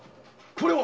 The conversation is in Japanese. これは⁉